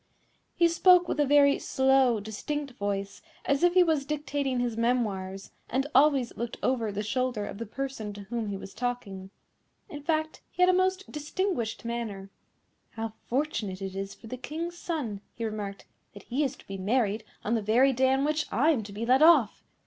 He spoke with a very slow, distinct voice, as if he was dictating his memoirs, and always looked over the shoulder of the person to whom he was talking. In fact, he had a most distinguished manner. "How fortunate it is for the King's son," he remarked, "that he is to be married on the very day on which I am to be let off!